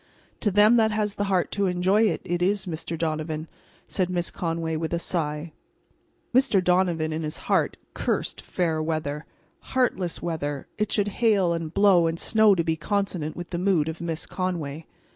"To them that has the heart to enjoy it, it is, Mr. Donovan," said Miss Conway, with a sigh. Mr. Donovan, in his heart, cursed fair weather. Heartless weather! It should hail and blow and snow to be consonant with the mood of Miss Conway.